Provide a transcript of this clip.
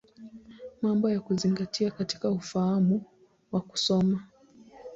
Mambo ya Kuzingatia katika Ufahamu wa Kusoma.